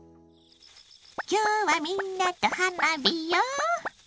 今日はみんなと花火よ。